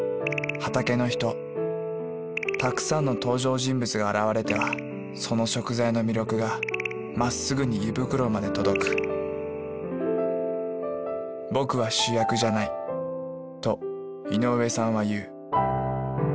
たくさんの登場人物が現れてはその食材の魅力がまっすぐに胃袋まで届くと井上さんは言う。